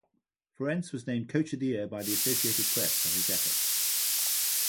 Ferentz was named Coach of the Year by the Associated Press for his efforts.